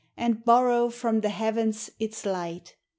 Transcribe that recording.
And borrow from the Heavens its light.